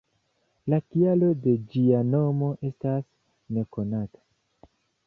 La kialo de ĝia nomo estas nekonata...